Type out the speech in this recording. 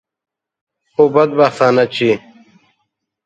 خو بدبختانه چې.